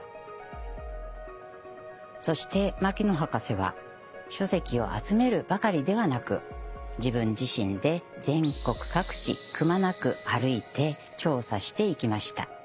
そして牧野博士は書籍を集めるばかりではなく自分自身で全国各地くまなく歩いて調査していきました。